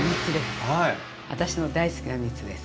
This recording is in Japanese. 私の大好きな３つです。